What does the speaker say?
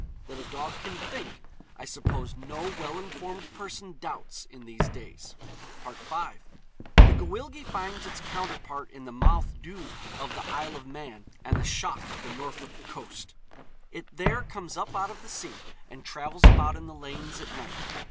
That a dog can think, I suppose no well informed person doubts in these days. V. The Gwyllgi finds its counterpart in the Mauthe Doog of the Isle of Man and the Shock of the Norfolk coast. It there comes up out of the sea and travels about in the lanes at night.